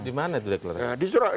dimana itu deklarasi